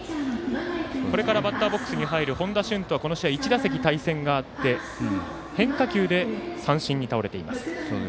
これからバッターボックスに入る本多駿とは、この試合では１打席対戦があって変化球で三振に倒れています。